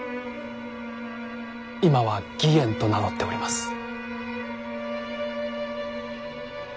今は義円と名乗っております。